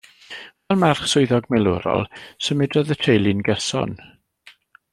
Fel merch swyddog milwrol, symudodd y teulu'n gyson.